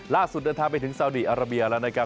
ล่าสุดเดินทางไปถึงซาวดีอาราเบียแล้วนะครับ